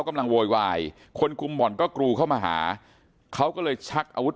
โวยวายคนกลุ่มบ่อนก็กรูเข้ามาหาเขาก็เลยชักอาวุธ